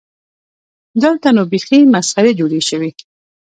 دلته نو بیخي مسخرې جوړې شوې.